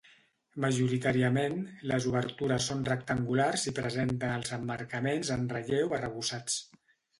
Majoritàriament, les obertures són rectangulars i presenten els emmarcaments en relleu arrebossats.